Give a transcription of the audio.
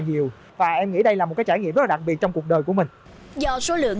dù vậy để đảm bảo an toàn cho cộng đồng